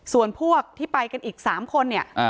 ส่วนพวกที่ไปกันอีก๓คน